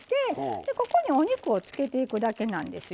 でここにお肉を漬けていくだけなんですよ。